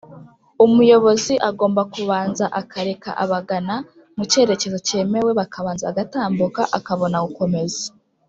umuyobozi agomba kubanza akareka abagana mucyerekezo cyemewe bakabanza bagatambuka akabona gukomeza